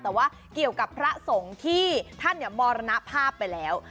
แต่ว่าเกี่ยวกับพระสงฆ์ที่ท่านมรณภาพไปแล้ว